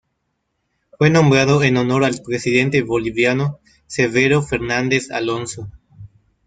Fue nombrado en honor al presidente boliviano Severo Fernández Alonso.